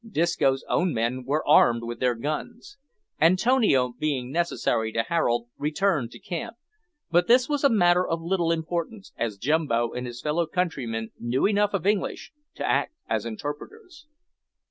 Disco's own men were armed with their guns. Antonio, being necessary to Harold, returned to camp; but this was a matter of little importance, as Jumbo and his fellow countrymen knew enough of English to act as interpreters.